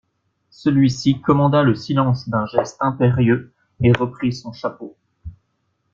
Celui-ci commanda le silence d'un geste impérieux et reprit son chapeau.